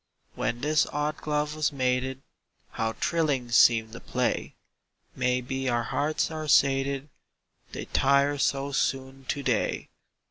When this odd glove was mated, How thrilling seemed the play! May be our hearts are sated They tire so soon to day.